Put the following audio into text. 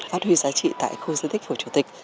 phát huy giá trị tại khu di tích phủ chủ tịch